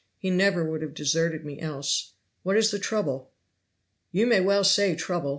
he never would have deserted me else. What is the trouble?" "You may well say trouble!